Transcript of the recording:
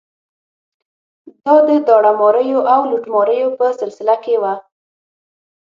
دا د داړه ماریو او لوټماریو په سلسله کې وه.